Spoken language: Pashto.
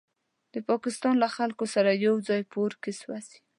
د پاکستان له خلکو سره یوځای په اور کې سوځي.